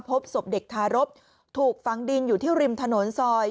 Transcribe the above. พบศพเด็กทารกถูกฝังดินอยู่ที่ริมถนนซอย